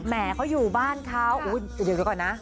แหเขาอยู่บ้านเขาเดี๋ยวก่อนนะ